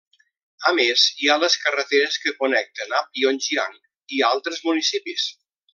A més, hi ha les carreteres que connecten a Pyongyang i altres municipis.